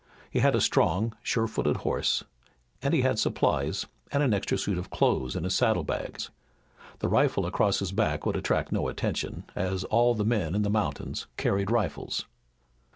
He had a strong, sure footed horse, and he had supplies and an extra suit of clothes in his saddle bags. The rifle across his back would attract no attention, as all the men in the mountains carried rifles.